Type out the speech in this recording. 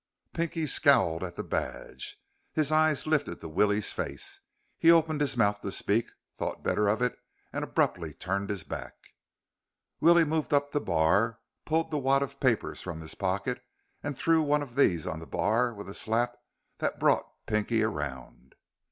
Pinky scowled at the badge. His eyes lifted to Willie's face. He opened his mouth to speak, thought better of it, and abruptly turned his back. Willie moved up the bar, pulled the wad of papers from his pocket, and threw one of these on the bar with a slap that brought Pinky around.